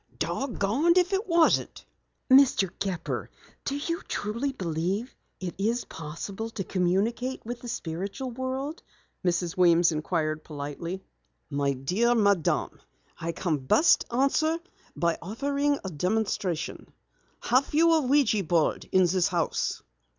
"Dogonned if it wasn't!" "Mr. Gepper, do you truly believe it is possible to communicate with the spiritual world?" Mrs. Weems inquired politely. "My dear madam, I can best answer by offering a demonstration. Have you a ouija board in the house?"